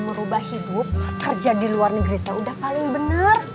merubah hidup kerja di luar negeri udah paling benar